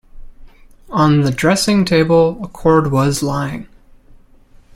On the dressing-table a cord was lying.